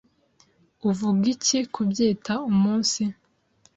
Uvuga iki kubyita umunsi?